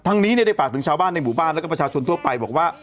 นี้ได้ฝากถึงชาวบ้านในหมู่บ้านแล้วก็ประชาชนทั่วไปบอกว่า